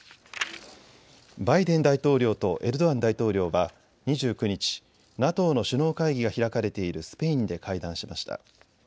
バイデン大統領とエルドアン大統領は２９日、ＮＡＴＯの首脳会議が開かれているスペインで会談しました。